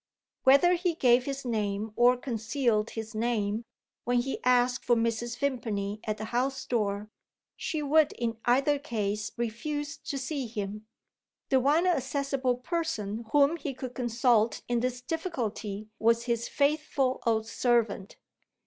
Whether he gave his name or concealed his name, when he asked for Mrs. Vimpany at the house door, she would in either case refuse to see him. The one accessible person whom he could consult in this difficulty was his faithful old servant.